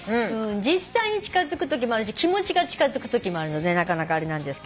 実際に近づくときもあるし気持ちが近づくときもあるのでなかなかあれなんですけど。